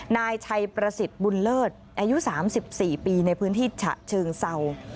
นายชัยประสิทธิ์บุญเลิศอายุ๓๔ปีในพื้นที่ฉะเชิงเศร้า